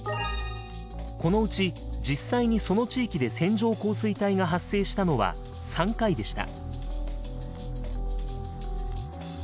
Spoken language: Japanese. このうち実際にその地域で線状降水帯が発生したのは３回でした。